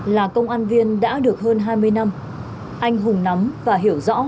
là công an viên đã được hơn hai mươi năm anh hùng nắm và hiểu rõ